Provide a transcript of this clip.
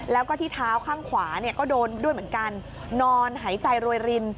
แล้วก็ที่เท้าข้างขวาเนี่ยก็โดนด้วยเหมือนกันนอนหายใจโรยริน